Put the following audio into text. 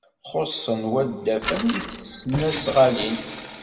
Xuṣṣen wadafen i tesnasɣalin.